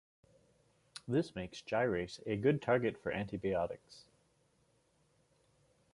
This makes gyrase a good target for antibiotics.